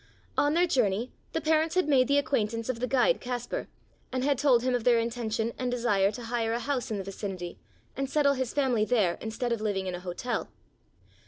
On their journey the parents had made the acquaintance of the guide Kaspar, and had told him of their intention and desire to hire a house in the vicinity and settle his family there instead of living in a hotel.